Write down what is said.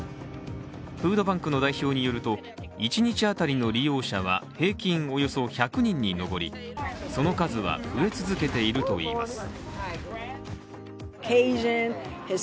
フードバンクの代表によると一日当たりの利用者は平均およそ１００人に上りその数は、増え続けているといいます。